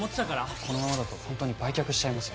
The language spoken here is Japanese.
このままだと本当に売却しちゃいますよ。